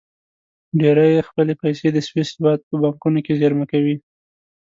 ډېری یې خپلې پیسې د سویس هېواد په بانکونو کې زېرمه کوي.